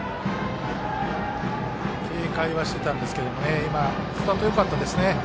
警戒はしていたんですけど今、スタートよかったですね。